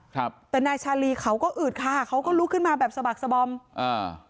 ครับแต่นายชาลีเขาก็อืดค่ะเขาก็ลุกขึ้นมาแบบสะบักสบอมอ่า